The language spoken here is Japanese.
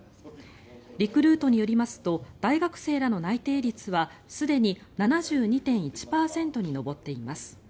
リクルートによりますと大学生らの内定率はすでに７２．１％に上っています。